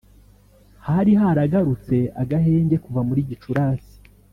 Hari haragarutse agahenge kuva muri Gicurasi